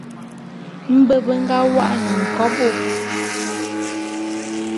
Mbe be nga wô'an nkobô.